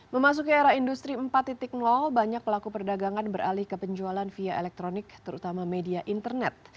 memasuki era industri empat banyak pelaku perdagangan beralih ke penjualan via elektronik terutama media internet